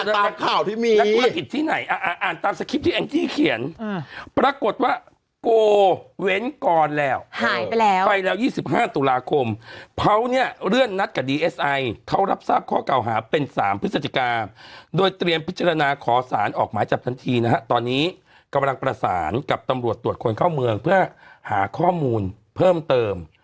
นักข่าวที่มีนักธุรกิจที่ไหนอ่ะอ่านตามสคริปต์ที่แองจี้เขียนปรากฏว่าโกเว้นกรแล้วหายไปแล้วไปแล้ว๒๕ตุลาคมเขาเนี่ยเลื่อนนัดกับดีเอสไอเขารับทราบข้อเก่าหาเป็น๓พฤศจิกาโดยเตรียมพิจารณาขอสารออกหมายจับทันทีนะฮะตอนนี้กำลังประสานกับตำรวจตรวจคนเข้าเมืองเพื่อหาข้อมูลเพิ่มเติม